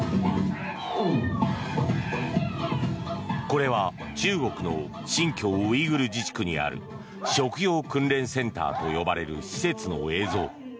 これは中国の新疆ウイグル自治区にある職業訓練センターと呼ばれる施設の映像。